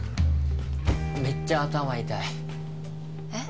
めっちゃ頭痛いえっ？